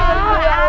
bukan salah gua